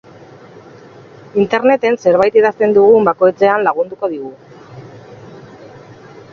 Interneten zerbait idazten dugun bakoitzean lagunduko digu.